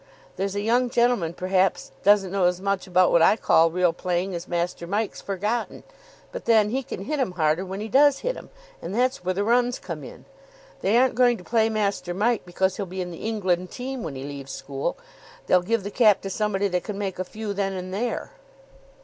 There's a young gentleman, perhaps, doesn't know as much about what I call real playing as Master Mike's forgotten; but then he can hit 'em harder when he does hit 'em, and that's where the runs come in. They aren't going to play Master Mike because he'll be in the England team when he leaves school. They'll give the cap to somebody that can make a few then and there."